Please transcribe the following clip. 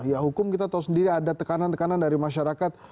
ya hukum kita tahu sendiri ada tekanan tekanan dari masyarakat